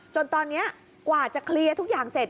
จนตอนนี้กว่าจะเคลียร์ทุกอย่างเสร็จ